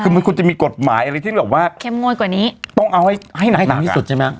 คือมันควรจะมีกฎหมายอะไรที่แบบว่าเข้มงวดกว่านี้ต้องเอาให้ให้ตามที่สุดใช่ไหม